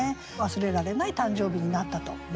忘れられない誕生日になったと思います。